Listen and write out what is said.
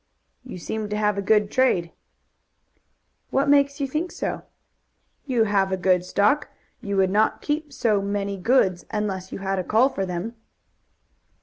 "You seem to have a good trade." "What makes you think so?" "You have a good stock. You would not keep so many goods unless you had a call for them."